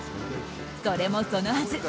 それもそのはず。